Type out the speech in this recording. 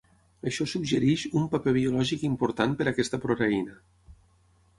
Això suggereix "un paper biològic important per a aquesta proteïna".